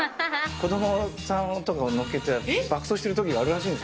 子どもさんとかを乗っけて爆走してるときがあるらしいんです